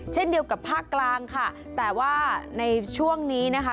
เช่นเดียวกับภาคกลางค่ะแต่ว่าในช่วงนี้นะคะ